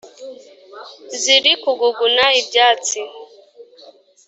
ziri kuguguna ibyatsi.